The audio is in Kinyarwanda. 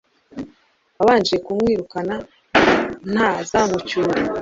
wabanje kumwirukana nta zamucyure